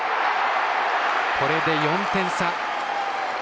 これで４点差。